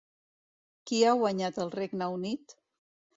Qui ha guanyat al Regne Unit?